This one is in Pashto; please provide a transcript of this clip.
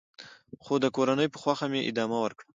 خو د کورنۍ په خوښه مې ادامه ورکړه .